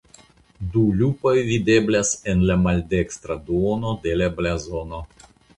Du lupoj videblas en la maldekstra duono de la blazono.